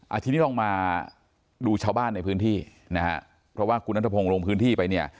ทีนี้ลองมาดูชาวบ้านในพื้นที่นะฮะเพราะว่าคุณนัทพงศ์ลงพื้นที่ไปเนี่ย